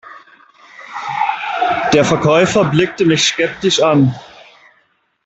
Der Verkäufer blickte mich skeptisch an.